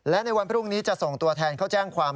และในวันพรุ่งนี้จะส่งตัวแทนเข้าแจ้งความ